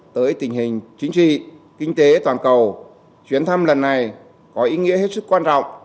trong bối cảnh tình hình chính trị kinh tế toàn cầu chuyến thăm lần này có ý nghĩa hết sức quan trọng